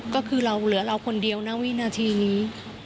ก็คือเราเหลือเราคนเดียวนะวินาทีนี้